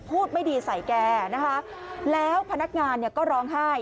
พูดไม่ดีใส่แกนะคะแล้วพนักงานเนี่ยก็ร้องไห้